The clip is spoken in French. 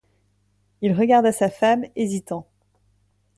Il regarda sa femme, hésitant.